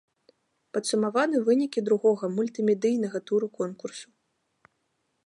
Падсумаваны вынікі другога, мультымедыйнага туру конкурсу.